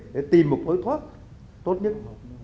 để tìm một đối thoát tốt nhất